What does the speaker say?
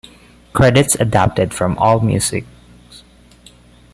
Credits adapted from AllMusic.